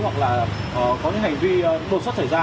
hoặc là có những hành vi đột xuất xảy ra